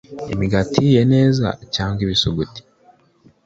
Imigati ihiye neza cyangwa ibisuguti